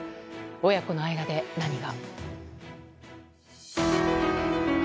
親子の間で何が。